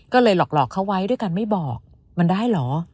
ก็เลยหลอกเขาไว้ด้วยกันไม่บอกมันได้เหรอ